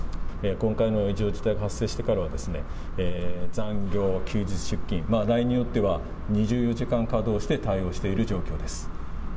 今回の異常事態が発生してからは、残業、休日出勤、ラインによっては２４時間稼働して対応している状況です。